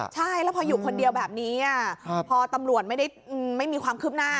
ใช่แล้วพออยู่คนเดียวแบบนี้พอตำรวจไม่ได้ไม่มีความคืบหน้า